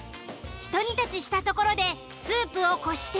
ひと煮立ちしたところでスープをこして。